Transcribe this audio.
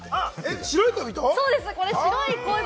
白い恋人？